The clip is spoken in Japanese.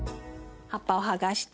葉っぱを剥がして。